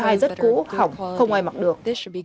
quần áo rất cũ khỏng không ai mặc được